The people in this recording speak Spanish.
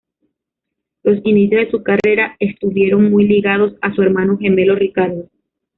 Los inicios de su carrera estuvieron muy ligados a su hermano gemelo Ricardo.